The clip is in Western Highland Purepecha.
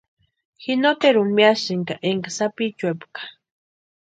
Ji noteruni miasïnka énkani sapichuepka.